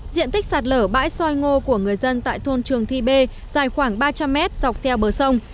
diện tích sạt lở bãi soi ngô của người dân tại thôn trường thi bê dài khoảng ba trăm linh mét dọc theo bờ sông